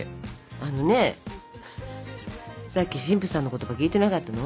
あのねさっき神父さんの言葉聞いてなかったの？